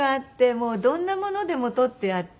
もうどんなものでも取ってあって。